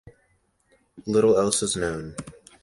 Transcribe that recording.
Little else is known.